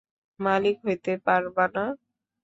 মালিক হইতে পারবা না!